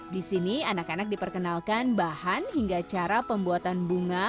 di sini anak anak diperkenalkan bahan hingga cara pembuatan bunga